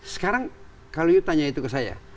sekarang kalau you tanya itu ke saya